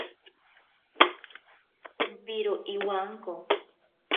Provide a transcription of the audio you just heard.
Kompiro iwanko.